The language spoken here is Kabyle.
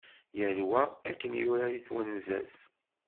Yal wa akken yura deg twenza-s.